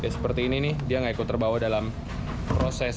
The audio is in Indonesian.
seperti ini nih dia gak ikut terbawa dalam proses